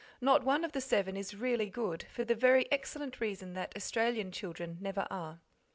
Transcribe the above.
Not one of the seven is really good, for the very excellent reason that Australian children never are.